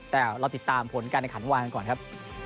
แต่เราติดตามผลการแข่งขันวาดก่อนครับ